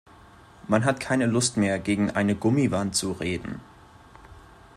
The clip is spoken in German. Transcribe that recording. Man hat keine Lust mehr, gegen eine Gummiwand zu reden!